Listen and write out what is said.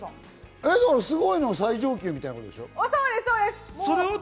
すごいの最上級みたいなことでしょ？